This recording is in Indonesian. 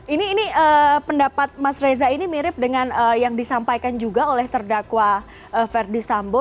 ini pendapat mas reza ini mirip dengan yang disampaikan juga oleh terdakwa verdi sambo